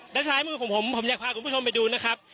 และซ้ายมือของผมผมอยากพาคุณผู้ชมไปดูนะครับ